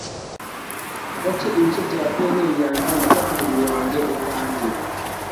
gake ibice bya dna yanjye. nafashe umubiri wanjye ubwanjye